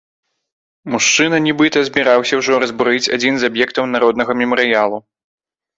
Мужчына, нібыта, збіраўся ўжо разбурыць адзін з аб'ектаў народнага мемарыялу.